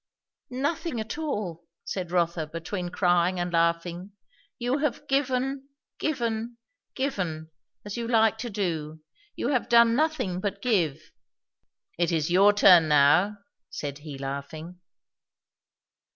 "Nothing at all!" said Rotha between crying and laughing. "You have given given given, as you like to do; you have done nothing but give!" "It is your turn now " said he laughing.